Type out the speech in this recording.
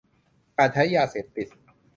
การใช้ยาเสพติด